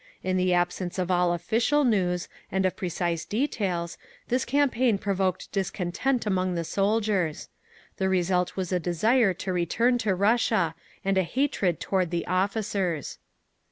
In the absence of all official news, and of precise details, this campaign provoked discontent among the soldiers. The result was a desire to return to Russia, and a hatred toward the officers.